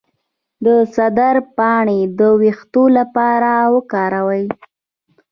د سدر پاڼې د ویښتو لپاره وکاروئ